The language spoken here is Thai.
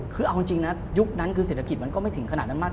คือเอาจริงนะยุคนั้นคือเศรษฐกิจมันก็ไม่ถึงขนาดนั้นมาก